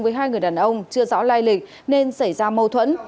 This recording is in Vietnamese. với hai người đàn ông chưa rõ lai lịch nên xảy ra mâu thuẫn